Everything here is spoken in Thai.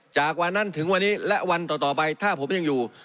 จากวันนั้นถึงวันนี้และวันต่อไปถ้าผมยังอยู่